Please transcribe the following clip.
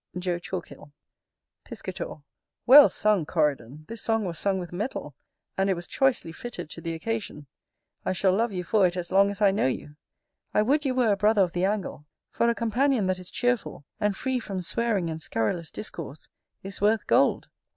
Jo. Chalkhill. Piscator. Well sung, Coridon, this song was sung with mettle; and it was choicely fitted to the occasion: I shall love you for it as long as I know you. I would you were a brother of the angle; for a companion that is cheerful, and free from swearing and scurrilous discourse, is worth gold.